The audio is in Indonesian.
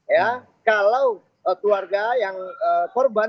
ya kalau keluarga yang korban